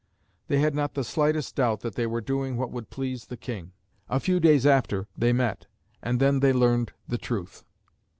They had not the slightest doubt that they were doing what would please the King. A few days after they met, and then they learned the truth.